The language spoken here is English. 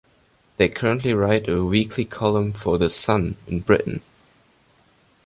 They currently write a weekly column for "The Sun" in Britain.